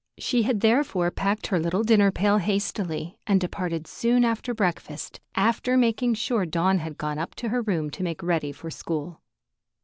She had, therefore, packed her little dinner pail hastily and departed soon after breakfast, after making sure that Dawn had gone up to her room to make ready for school.